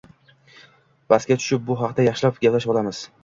Pastga tush, bu haqda yaxshilab gaplashib olamiz